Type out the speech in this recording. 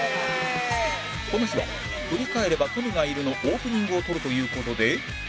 この日は「振り返ればトミがいる」のオープニングを撮るという事で